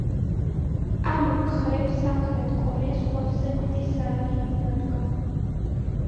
ამ მხრივ სამხრეთ კორეას ყველაზე დიდი ზარალი მიადგა.